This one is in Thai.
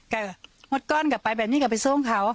ก็งดก้อนกลับไปแบบนี้กลับไปสู้เขา